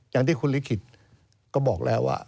อย่างที่คุณลิขิตก็บอกแล้วว่า